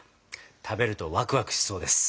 食べるとワクワクしそうです。